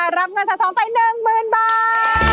รับเงินสะสมไป๑๐๐๐บาท